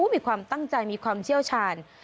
มีความตั้งใจมีความเชี่ยวชาญ